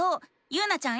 ゆうなちゃん